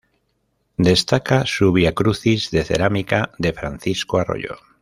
Destaca su viacrucis de cerámica de Francisco Arroyo.